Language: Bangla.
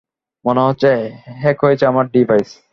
মনে হচ্ছে, হ্যাক হয়েছে আমার ডিভাইস।